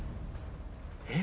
えっ？